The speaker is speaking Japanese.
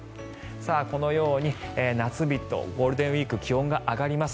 このように夏日とゴールデンウィーク気温が上がります。